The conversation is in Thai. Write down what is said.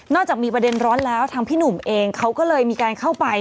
จากมีประเด็นร้อนแล้วทางพี่หนุ่มเองเขาก็เลยมีการเข้าไป